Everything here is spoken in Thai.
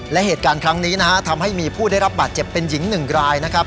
และเหตุการณ์ครั้งนี้นะฮะทำให้มีผู้ได้รับบาดเจ็บเป็นหญิงหนึ่งรายนะครับ